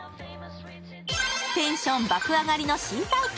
テンション爆上がりの新体験。